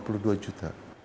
ada satu ratus dua puluh juta